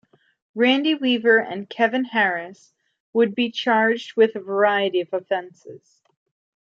Randy Weaver and Kevin Harris would be charged with a variety of offenses.